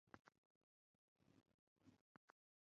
درېیم یې د تثلیث مسله ده.